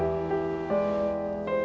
gak ada apa apa